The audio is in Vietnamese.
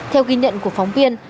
theo ghi nhận của phóng viên